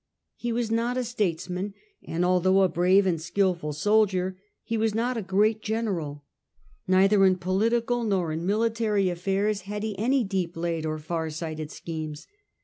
He was not a statesman, and, although a brave and skDful soldier, he was not a great general. Neither in political nor in military affiairs had he any deep laid or far sighted schemes.